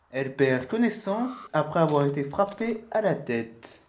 Elle perd connaissance après avoir été frappé à la tête.